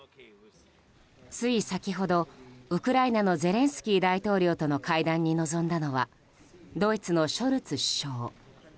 つい先ほど、ウクライナのゼレンスキー大統領との会談に臨んだのはドイツのショルツ首相。